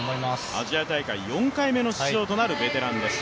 アジア大会４回目の出場となるベテランです。